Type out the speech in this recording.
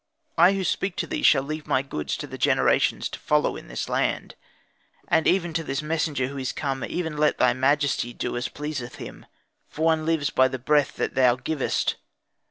"I who speak to thee shall leave my goods to the generations to follow in this land. And as to this messenger who is come even let thy majesty do as pleaseth him, for one lives by the breath that thou givest.